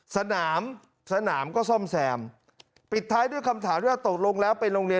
สนามสนามก็ซ่อมแซมปิดท้ายด้วยคำถามที่ว่าตกลงแล้วเป็นโรงเรียน